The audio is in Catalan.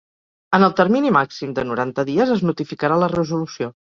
En el termini màxim de noranta dies es notificarà la resolució.